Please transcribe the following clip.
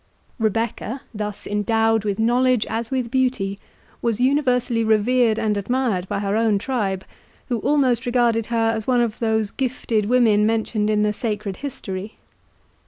Rebecca, thus endowed with knowledge as with beauty, was universally revered and admired by her own tribe, who almost regarded her as one of those gifted women mentioned in the sacred history.